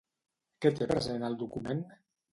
Què té present el document?